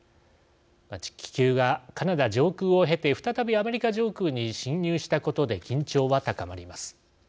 気球がカナダ上空を経て再びアメリカ上空に侵入したことで緊張は高まります。